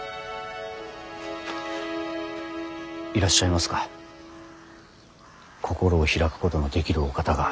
いらっしゃいますか心を開くことのできるお方が。